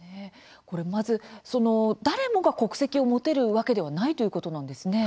まず、誰もが国籍を持てるわけではないということなんですね。